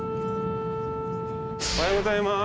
おはようございます。